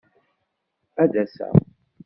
Ad d-aseɣ!